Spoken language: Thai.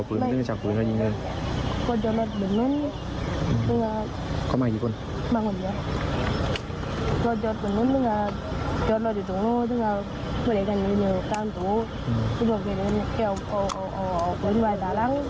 บิดนั้นตรงนั้นเขามากี่คนมากกว่าเยอะ